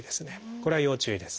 これは要注意です。